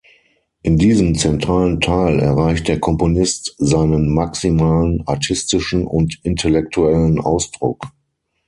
In diesem zentralen Teil erreicht der Komponist seinen maximalen artistischen und intellektuellen Ausdruck.